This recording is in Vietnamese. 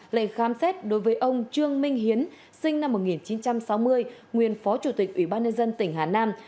lệnh khám xét đối với ông trương minh hiến sinh năm một nghìn chín trăm sáu mươi nguyên phó chủ tịch ủy ban nhân dân tỉnh hà nam